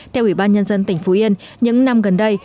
theo ủy ban nhân dân tỉnh phú yên những năm gần đây